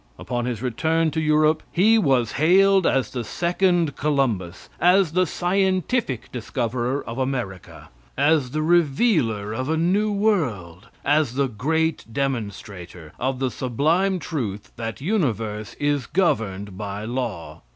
Upon his return to Europe he was hailed as the second Columbus; as the scientific discoverer of America; as the revealer of a new world; as the great demonstrator of the sublime truth that universe is governed by law.